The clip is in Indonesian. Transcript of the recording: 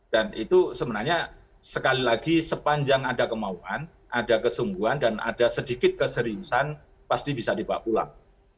dan itu sebenarnya sekali lagi sepanjang ada kemauan ada kesungguhan dan ada sedikit keseriusan pasti bisa dibawa pulang